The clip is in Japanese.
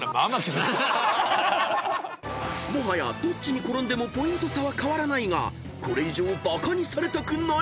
［もはやどっちに転んでもポイント差は変わらないがこれ以上バカにされたくない！］